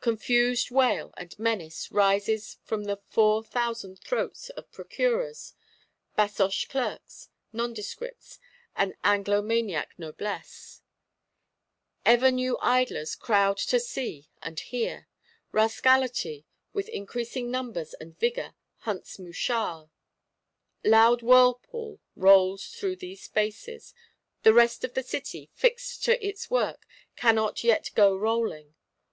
Confused wail and menace rises from the four thousand throats of Procureurs, Basoche Clerks, Nondescripts, and Anglomaniac Noblesse; ever new idlers crowd to see and hear; Rascality, with increasing numbers and vigour, hunts mouchards. Loud whirlpool rolls through these spaces; the rest of the City, fixed to its work, cannot yet go rolling.